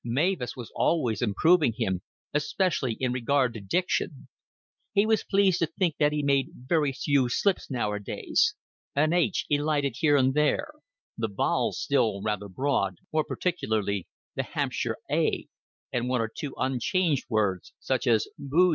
Mavis was always improving him, especially in regard to diction. He was pleased to think that he made very few slips nowadays an "h" elided here and there; the vowels still rather broad, more particularly the Hampshire "a"; and one or two unchanged words, such as "boosum."